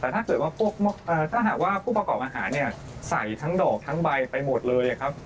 แต่ถ้าเกิดว่าถ้าหากว่าผู้ประกอบอาหารเนี่ยใส่ทั้งดอกทั้งใบไปหมดเลยครับ